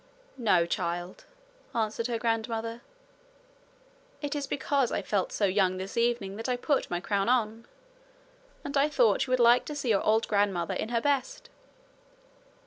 'No, child,' answered her grandmother; 'it is because I felt so young this evening that I put my crown on. And I thought you would like to see your old grandmother in her best.'